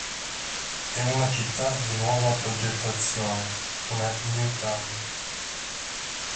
È una città di nuova progettazione, una "new town".